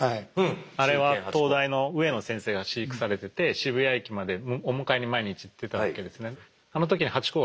あれは東大の上野先生が飼育されてて渋谷駅までお迎えに毎日行ってたわけですね。